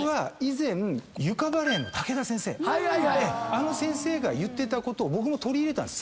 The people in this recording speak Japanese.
あの先生が言ってたことを僕も取り入れたんです。